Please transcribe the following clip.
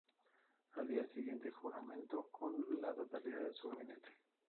Al día siguiente juramentó con la totalidad de su gabinete.